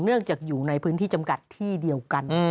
จากอยู่ในพื้นที่จำกัดที่เดียวกัน